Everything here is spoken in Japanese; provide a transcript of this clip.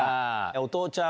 「お父ちゃん